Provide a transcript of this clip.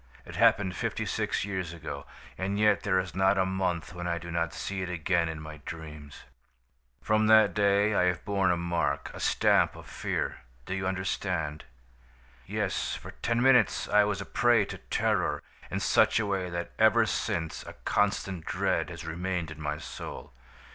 It happened fifty six years ago, and yet there is not a month when I do not see it again in my dreams. From that day I have borne a mark, a stamp of fear, do you understand? "Yes, for ten minutes I was a prey to terror, in such a way that ever since a constant dread has remained in my soul.